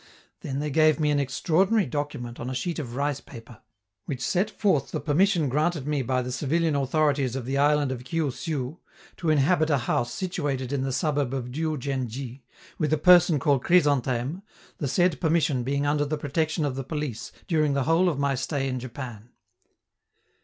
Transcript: Then they gave me an extraordinary document on a sheet of rice paper, which set forth the permission granted me by the civilian authorities of the island of Kiu Siu, to inhabit a house situated in the suburb of Diou djen dji, with a person called Chrysantheme, the said permission being under the protection of the police during the whole of my stay in Japan.